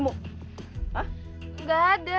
haa eh enggak ada